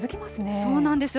そうなんですよ。